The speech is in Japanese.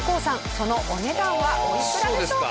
そのお値段はおいくらでしょうか？